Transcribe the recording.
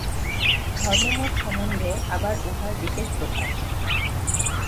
ধর্মমত সম্বন্ধে আবার উহার বিশেষ প্রকাশ।